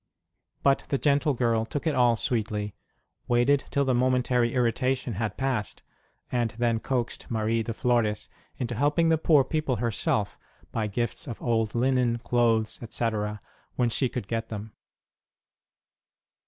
But the gentle girl took it all sweetly, waited till the momentary irritation had passed, and then coaxed Marie de Flores into helping the poor people herself by gifts of old linen, clothes, etc., when she could get them.